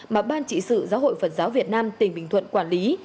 mà ban trị sự giáo hội phật giáo việt nam tỉnh bình thuận quản lý